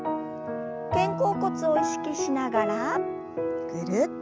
肩甲骨を意識しながらぐるっと。